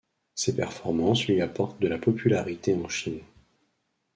Ses performances lui apportent de la popularité en Chine.